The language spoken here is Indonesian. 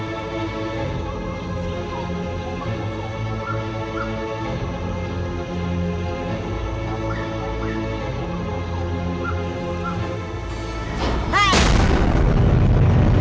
di mana aku bisa menemukan pohon kejujuran itu